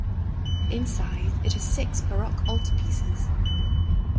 Inside, it has six Baroque altarpieces.